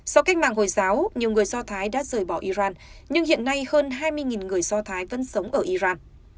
sau cách mạng hồi giáo nhiều người do thái đã rời bỏ iran nhưng hiện nay hơn hai mươi người do thái vẫn sống ở iran